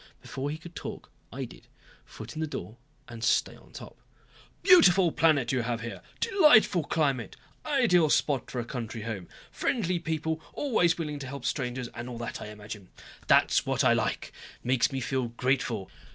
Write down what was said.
Before he could talk I did, foot in the door and stay on top. "Beautiful planet you have here. Delightful climate! Ideal spot for a country home. Friendly people, always willing to help strangers and all that I imagine. That's what I like. Makes me feel grateful.